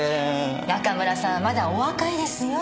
中村さんはまだお若いですよ。